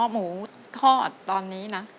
หมูทอดตอนนี้นะ